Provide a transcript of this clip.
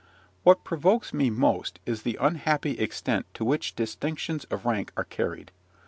What provokes me most is the unhappy extent to which distinctions of rank are carried.